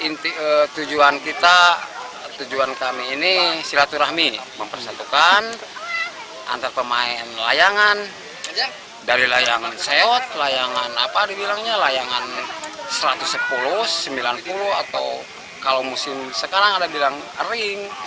nomor satu tujuan kami ini silaturahmi mempersatukan antar pemain layangan dari layangan seot layangan satu ratus sepuluh sembilan puluh atau kalau musim sekarang ada bilang ring